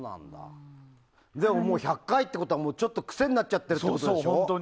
でも、もう１００回ってことは癖になっちゃってるってことでしょ。